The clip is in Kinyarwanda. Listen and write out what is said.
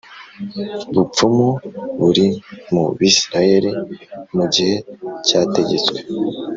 bupfumu buri mu Bisirayeli Mu gihe cyategetswe